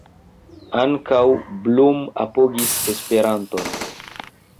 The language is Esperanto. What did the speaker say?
Ankaŭ Blum apogis Esperanton.